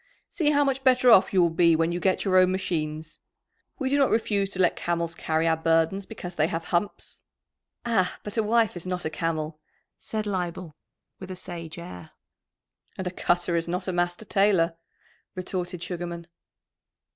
See how much better off you will be when you get your own machines! We do not refuse to let camels carry our burdens because they have humps." "Ah, but a wife is not a camel," said Leibel, with a sage air. "And a cutter is not a master tailor," retorted Sugarman.